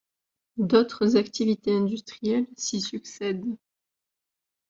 D'autres activités industrielles s'y succèdent.